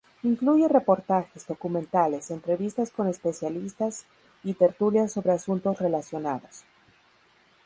Incluye reportajes, documentales, entrevistas con especialistas y tertulias sobre asuntos relacionados.